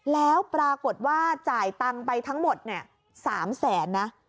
แล้วปรากฎว่าจ่ายตังก์ไปทั้งหมดนี่๓๐๐๐๐๐นะ